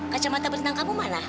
kacamata berenang kamu mana